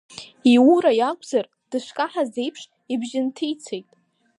Иура иакәзар, дышкаҳаз еиԥш, ибжьы нҭицеит…